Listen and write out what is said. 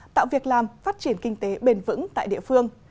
tạo việc làm phát triển kinh tế bền vững tại địa phương